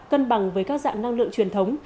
cân bằng với các dạng năng lượng truyền thống